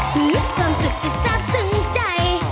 หื้อความสุขจะซับซึ้งใจ